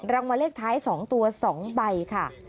รางวัลเลขท้าย๒ตัว๒ใบค่ะ